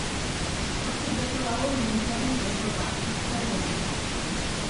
Hortik gertu dago mendiaren tontorra, ekialderantz.